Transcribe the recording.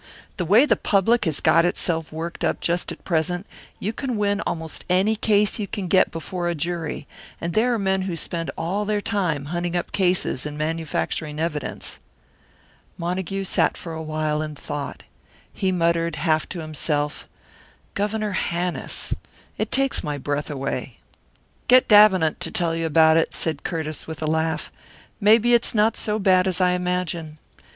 The way the public has got itself worked up just at present, you can win almost any case you can get before a jury, and there are men who spend all their time hunting up cases and manufacturing evidence." Montague sat for a while in thought. He muttered, half to himself, "Governor Hannis! It takes my breath away!" "Get Davenant to tell you about it," said Curtiss, with a laugh. "Maybe it's not so bad as I imagine.